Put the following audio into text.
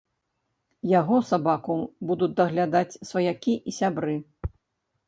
Яго сабаку будуць даглядаць сваякі і сябры.